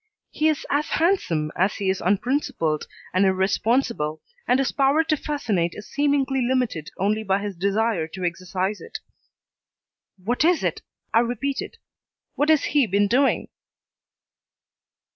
He is as handsome as he is unprincipled and irresponsible, and his power to fascinate is seemingly limited only by his desire to exercise it. "What is it?" I repeated. "What has he been doing?"